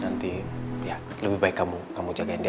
nanti ya lebih baik kamu jagain dia